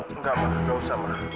enggak ma gak usah ma